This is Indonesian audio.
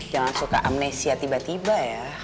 jangan suka amnesia tiba tiba ya